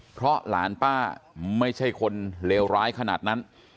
เพราะหลานป้าไม่ใช่คนเลวร้ายขนาดนั้น